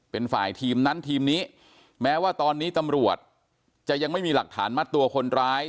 เป็นฝ่ายทีมนั้นทีมนี้แม้ว่าตอนนี้ตำรวจจะยังไม่มีหลักฐานมัดตัวคนร้าย